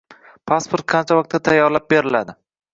Pasport qancha vaqtda tayyorlab beriladi?